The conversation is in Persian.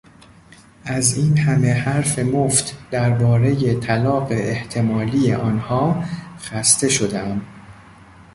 از اینهمه حرف مفت دربارهی طلاق احتمالی آنها خسته شدهام.